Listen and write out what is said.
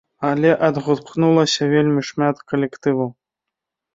Але адгукнулася вельмі шмат калектываў.